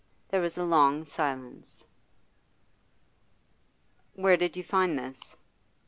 There was a long silence. 'Where did you find this?